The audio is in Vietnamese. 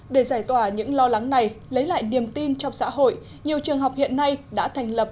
để giải tỏa những lo lắng này lấy lại niềm tin trong xã hội nhiều trường học hiện nay đã thành lập